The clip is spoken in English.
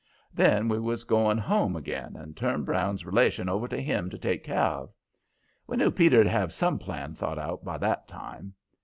Then we was going home again and turn Brown's relation over to him to take care of. We knew Peter'd have some plan thought out by that time.